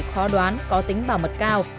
khó đoán có tính bảo mật cao